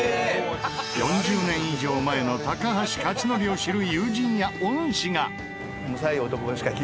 ４０年以上前の高橋克典を知る友人や恩師が！